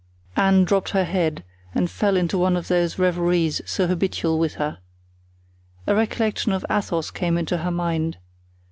Anne dropped her head and fell into one of those reveries so habitual with her. A recollection of Athos came into her mind.